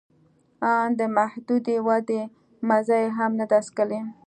آن د محدودې ودې مزه یې هم نه ده څکلې